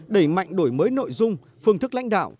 đẩy mạnh đổi mới nội dung phương thức lãnh đạo